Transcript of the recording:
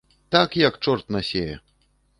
Так як чорт насее!